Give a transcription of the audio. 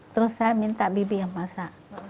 terus saya minta bibi yang masak